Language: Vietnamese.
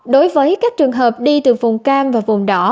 đối với các trường hợp đi từ vùng cam và vùng đỏ